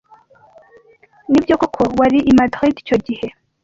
Nibyo koko ko wari i Madrid icyo gihe?